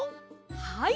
はい。